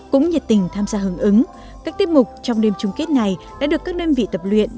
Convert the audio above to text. cũng nhiệt tình tham gia hưởng ứng các tiết mục trong đêm chung kết này đã được các đơn vị tập luyện